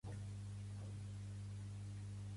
Vull canviar demòtic egipci a català.